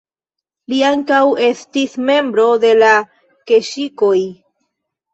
Li ankaŭ estis membro de la keŝikoj.